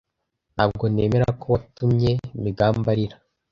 Ntabwo nemera ko watumye Migambi arira.